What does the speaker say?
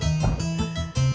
hah ayo masuk beb